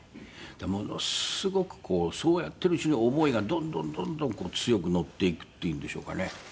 ものすごくこうそうやってるうちに思いがどんどんどんどん強く乗っていくっていうんでしょうかね。